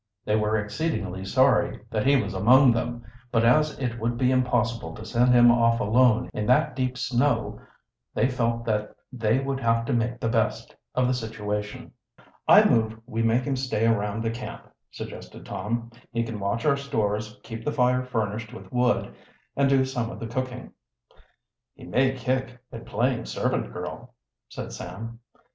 They were exceedingly sorry that he was among them, but as it would be impossible to send him off alone in that deep snow, they felt that they would have to make the best of the situation. "I move we make him stay around the camp," suggested Tom. "He can watch our stores, keep the fire furnished with wood, and do some of the cooking." "He may kick at playing servant girl," said Sam.